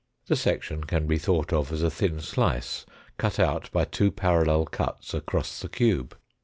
The section can be thought of as a thin slice cut out by two parallel cuts across the cube.